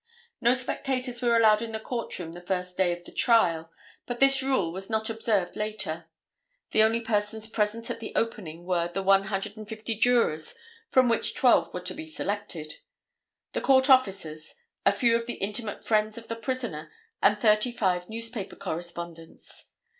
No spectators were allowed in the court room the first day of the trial, but this rule was not observed later. The only persons present at the opening were the 150 jurors from which twelve were to be selected, the court officers, a few of the intimate friends of the prisoner and thirty five newspaper correspondents.